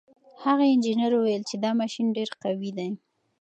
هغه انجنیر وویل چې دا ماشین ډېر قوي دی.